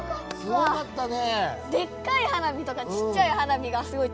すごかったね。